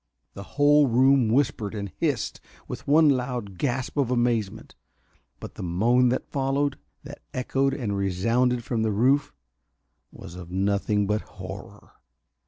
The whole room whispered and hissed with one loud gasp of amazement, but the moan that followed, that echoed and resounded from the roof, was of nothing but horror.